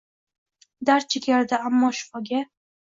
Dard chekardi, ammo shifoga